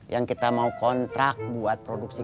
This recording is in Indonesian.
yang kita mau kontrak buat produksi